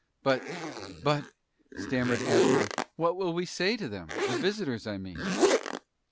"But but " stammered Astro, "what will we say to them? The visitors, I mean?"